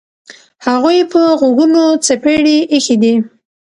هغوی په غوږونو څپېړې ایښي دي.